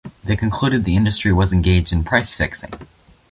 They concluded the industry was engaged in price fixing.